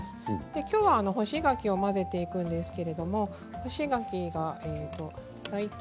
きょうは干し柿を混ぜていくんですけれども干し柿が大体。